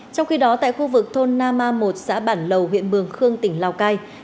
trong khi đó tại khu vực thôn nama một xã bản lầu huyện mường khương tỉnh lào cai